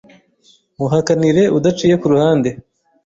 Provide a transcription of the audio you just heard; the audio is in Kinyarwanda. Muhakanire udaciye ku ruhande